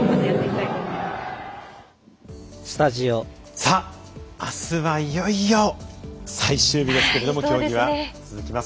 さあ、あすはいよいよ最終日ですけれども競技は続きます。